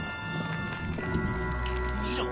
見ろ！